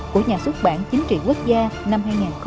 của nhà xuất bản chính trị quốc gia năm hai nghìn sáu